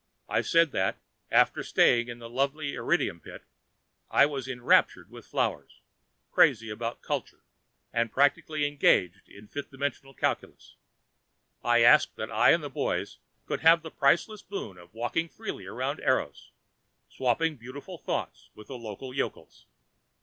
I said that, after staying in the lovely erydnium pit, I was enraptured with flowers, crazy about culture and practically engaged in five dimension calculus. I asked that I and the boys could have the priceless boon of walking freely around Eros, swapping beautiful thoughts with the local yokels.